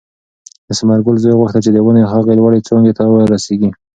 د ثمرګل زوی غوښتل چې د ونې هغې لوړې څانګې ته ورسېږي.